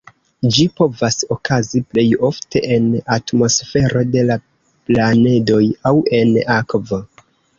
Ĝi povas okazi plej ofte en atmosfero de la planedoj aŭ en akvo.